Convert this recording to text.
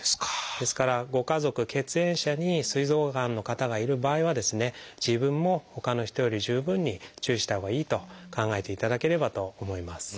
ですからご家族血縁者にすい臓がんの方がいる場合は自分もほかの人より十分に注意したほうがいいと考えていただければと思います。